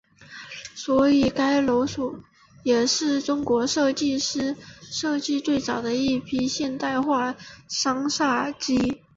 所以该楼也是中国建筑师设计的最早的一批现代化商厦之一。